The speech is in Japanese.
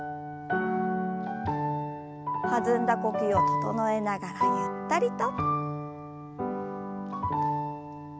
弾んだ呼吸を整えながらゆったりと。